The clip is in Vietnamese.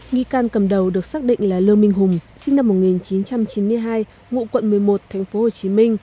nghi can cầm đầu được xác định là lương minh hùng sinh năm một nghìn chín trăm chín mươi hai ngụ quận một mươi một tp hcm